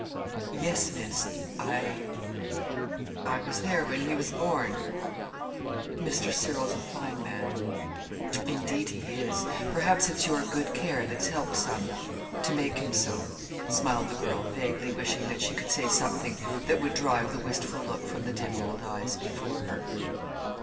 "Yes, Miss. I I was there when he was born. Mr. Cyril's a fine man." "Indeed he is. Perhaps it's your good care that's helped, some to make him so," smiled the girl, vaguely wishing that she could say something that would drive the wistful look from the dim old eyes before her.